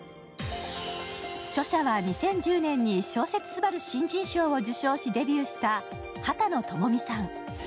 著者は２０１０年に小説すばる新人賞を受賞し、デビューした畑野智美さん。